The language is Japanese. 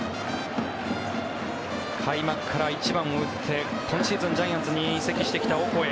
開幕から１番を打って今シーズン、ジャイアンツに移籍してきたオコエ。